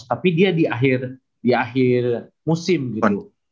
tapi dia di akhir musim gitu